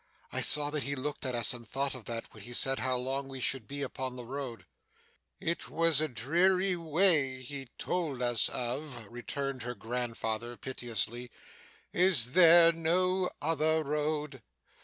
I saw that he looked at us and thought of that, when he said how long we should be upon the road.' 'It was a dreary way he told us of,' returned her grandfather, piteously. 'Is there no other road?